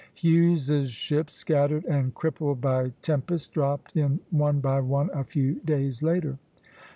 Hughes's ships, scattered and crippled by tempest, dropped in one by one, a few days later.